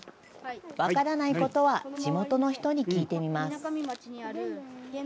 分からないことは地元の人に聞いてみます。